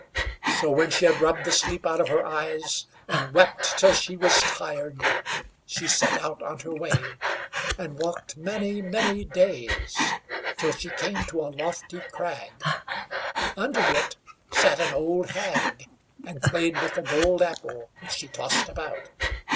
] So when she had rubbed the sleep out of her eyes, and wept till she was tired, she set out on her way, and walked many, many days, till she came to a lofty crag. Under it sat an old hag, and played with a gold apple which she tossed about.